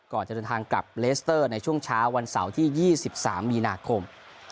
จะเดินทางกลับเลสเตอร์ในช่วงเช้าวันเสาร์ที่๒๓มีนาคม